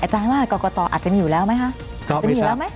อาจารย์ว่ากกตอาจจะมีอยู่แล้วไหมคะ